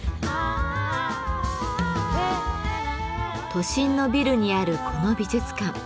都心のビルにあるこの美術館。